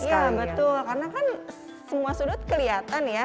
iya betul karena kan semua sudut kelihatan ya